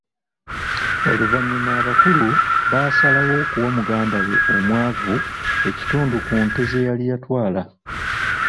Oluvanyuma abakulu basalawo okuwa muganda we omwavu ekitundu ku ente ze yali yatwala.